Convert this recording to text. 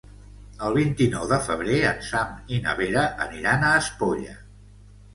El vint-i-nou de febrer en Sam i na Vera aniran a Espolla.